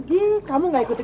kalian sudah sajak men estilo